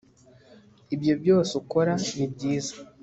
ibyobyose ukora ni byiza